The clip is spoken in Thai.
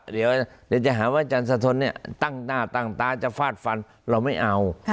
เดี๋ยวจะหาว่าจานสะทนตั้งตาจะฟาดฟันเราไม่เอา